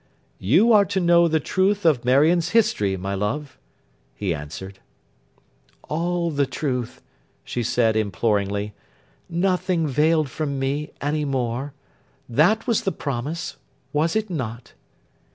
'You are to know the truth of Marion's history, my love,' he answered. 'All the truth,' she said, imploringly. 'Nothing veiled from me, any more. That was the promise. Was it not?